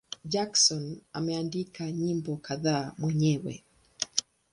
Jackson ameandika nyimbo kadhaa mwenyewe.